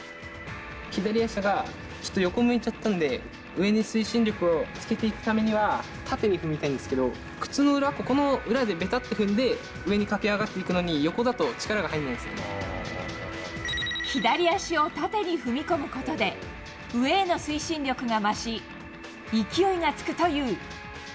左足がちょっと横向いちゃったんで、上に推進力をつけていくためには、縦に踏みたいんですけど、靴の裏、ここの裏でべたって踏んで、上に駆け上がっていくのに、左足を縦に踏み込むことで、上への推進力が増し、勢いがつくという。